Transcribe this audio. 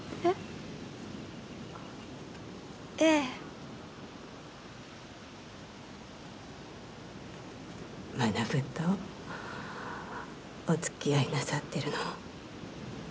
ええ学とおつきあいなさってるの？